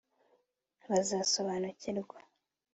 bazasobanukirwa